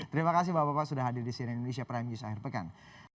terima kasih bapak bapak sudah hadir di cnn indonesia prime news akhir pekan